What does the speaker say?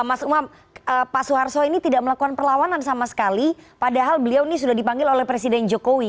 mas umam pak suharto ini tidak melakukan perlawanan sama sekali padahal beliau ini sudah dipanggil oleh presiden jokowi